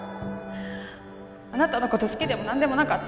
あなたのこと好きでも何でもなかった